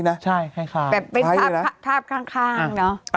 แบบเป็นภาพข้างเนอะ